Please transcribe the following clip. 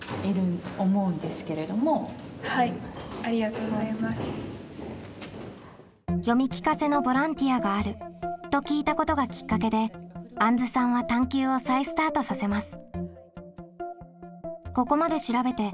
そういう「読み聞かせのボランティアがある」と聞いたことがきっかけであんずさんは探究を再スタートさせます。